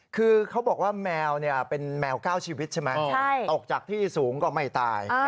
คือเขาบอกว่าแมวเป็นแมว๙ชีวิตใช่ไหมตกจากที่สูงก็ไม่ตาย